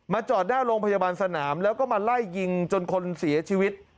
จอดหน้าโรงพยาบาลสนามแล้วก็มาไล่ยิงจนคนเสียชีวิต